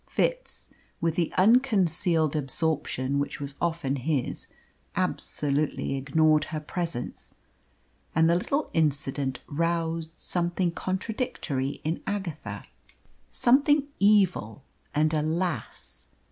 Fitz, with the unconcealed absorption which was often his, absolutely ignored her presence. And the little incident roused something contradictory in Agatha something evil and, alas!